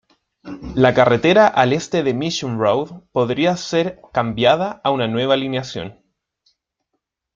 La carretera al este de Mission Road podría ser cambiada a una nueva alineación.